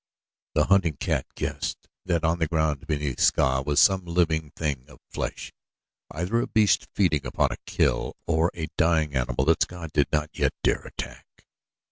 The hunting cat guessed that on the ground beneath Ska was some living thing of flesh either a beast feeding upon its kill or a dying animal that Ska did not yet dare attack.